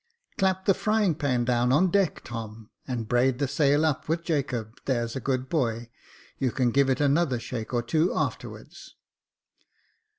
" Clap the frying pan down on deck, Tom, and brail the sail up with Jacob, there's a good boy. You can give it another shake or two afterwards.